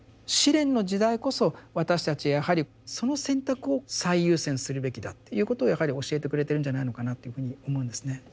試練の時代こそ私たちはやはりその選択を最優先するべきだっていうことをやはり教えてくれてるんじゃないのかなというふうに思うんですね。